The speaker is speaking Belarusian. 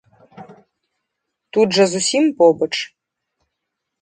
Тут жа зусім побач.